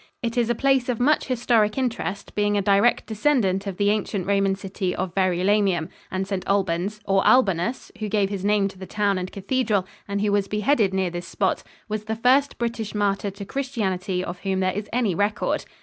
It is a place of much historic interest, being a direct descendant of the ancient Roman city of Verulamium; and Saint Albans, or Albanus, who gave his name to the town and cathedral and who was beheaded near this spot, was the first British martyr to Christianity of whom there is any record.